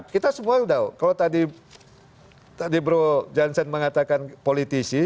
kita semua tahu kalau tadi bro jansen mengatakan politisi